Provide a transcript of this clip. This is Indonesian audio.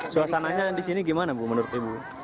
suasananya disini gimana bu menurut ibu